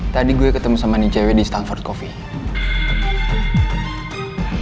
tadi gue ketemu sama nih cewe di stanford coffee